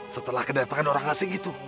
setelah kedatangan orang asing gitu